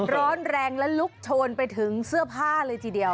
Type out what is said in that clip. ร้อนแรงและลุกโชนไปถึงเสื้อผ้าเลยทีเดียว